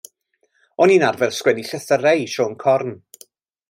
O'n i'n arfer sgwennu llythyrau i Siôn Corn.